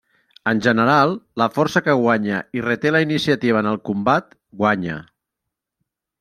En general, la força que guanya i reté la iniciativa en el combat, guanya.